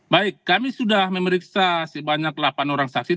baik kami sudah memeriksa sebanyak delapan orang saksi